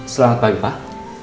selamat pagi pak